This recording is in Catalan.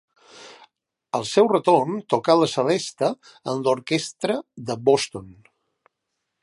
Al seu retorn tocà la celesta en l'Orquestra de Boston.